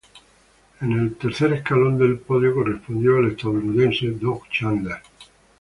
En el tercer escalón del podio, correspondió al estadounidense Doug Chandler.